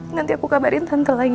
nanti aku kabarin tentel lagi